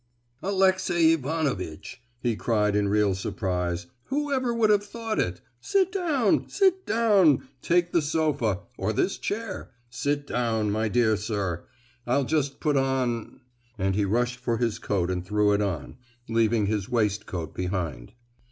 "Alexey Ivanovitch!" he cried in real surprise; "who ever would have thought it! Sit down—sit down—take the sofa—or this chair,—sit down, my dear sir! I'll just put on——" and he rushed for his coat and threw it on, leaving his waistcoat behind.